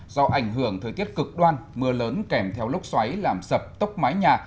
do ảnh hưởng thời tiết cực đoan mưa lớn kèm theo lốc xoáy làm sập tốc mái nhà